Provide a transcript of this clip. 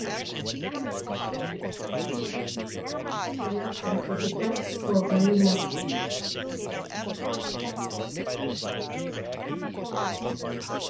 Arwen reluctantly departs for Valinor.